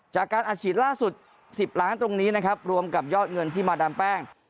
จากการอัดฉีดล่าสุด๑๐ล้านตรงนี้นะครับรวมกับยอดเงินที่มาดามแป้ง